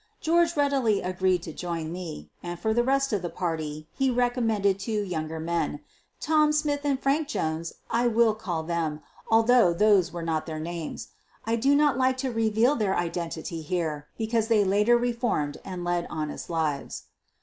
George readily agreed to join me, and for the rest of the party he recommended two younger men — Tom Smith and Frank Jones, I will call them, al Uiough those were not their names. I do not like to reveal their identity here because they later re formed and led honest lives.